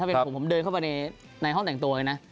เป็นผมผมเดินเข้าไปในห้องแต่งตัวเลยนะ